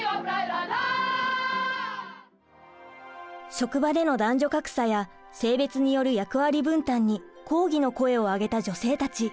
職場での男女格差や性別による役割分担に抗議の声を上げた女性たち。